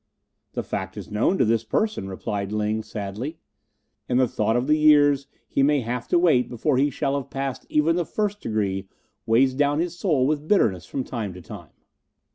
"The fact is known to this person," replied Ling sadly, "and the thought of the years he may have to wait before he shall have passed even the first degree weighs down his soul with bitterness from time to time."